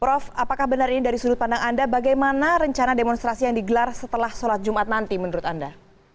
prof apakah benar ini dari sudut pandang anda bagaimana rencana demonstrasi yang digelar setelah sholat jumat nanti menurut anda